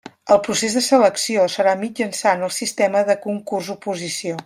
El procés de selecció serà mitjançant el sistema de concurs-oposició.